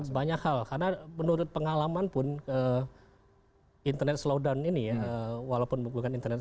banyak hal karena menurut pengalaman pun ke internet slowdown ini walaupun bukan internet